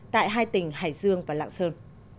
tại hai tỉnh hải dương và lạng sơn